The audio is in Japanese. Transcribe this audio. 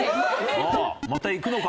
またいくのか？